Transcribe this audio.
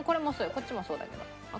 こっちもそうだけど。